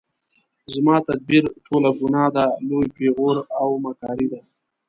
زما تدبیر ټوله ګناه ده لوی پیغور او مکاري ده